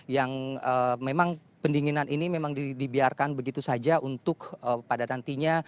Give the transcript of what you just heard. yang memang pendinginan ini memang dibiarkan begitu saja untuk pada nantinya